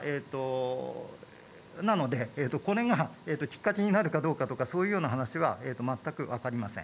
なので、これがきっかけになるかどうかという話は全く分かりません。